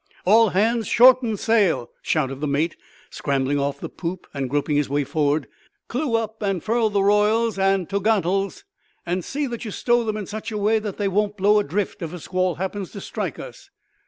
"All hands shorten sail!" shouted the mate, scrambling off the poop, and groping his way forward. "Clew up and furl the royals and to'ga'nts'ls; and see that you stow them in such a way that they won't blow adrift if a squall happens to strike us.